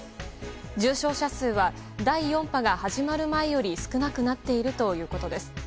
重症者数は第４波が始まる前より少なくなっているということです。